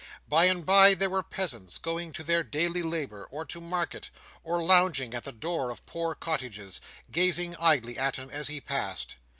By and by, there were peasants going to their daily labour, or to market, or lounging at the doors of poor cottages, gazing idly at him as he passed.